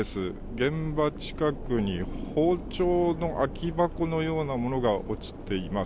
現場近くに包丁の空き箱のようなものが落ちています。